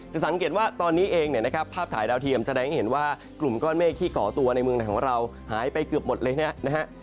สังเกตว่าตอนนี้เองเนี่ยนะครับภาพถ่ายดาวเทียมแสดงให้เห็นว่ากลุ่มก้อนเมฆที่ก่อตัวในเมืองไหนของเราหายไปเกือบหมดเลยนะฮะ